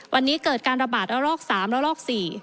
วันนี้เกิดการระบาดระลอก๓ระลอก๔